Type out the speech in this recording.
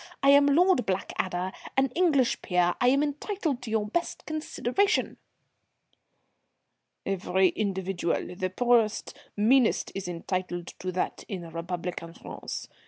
I am Lord Blackadder, an English peer. I am entitled to your best consideration." "Every individual, the poorest, meanest, is entitled to that in republican France.